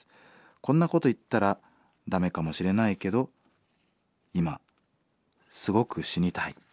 こんなこと言ったら駄目かもしれないけど今すごく死にたい。